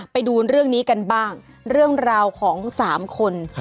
ไปดูเรื่องนี้กันบ้างเรื่องราวของ๓คน